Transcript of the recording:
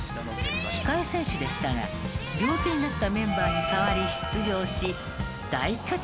控え選手でしたが病気になったメンバーに代わり出場し大活躍。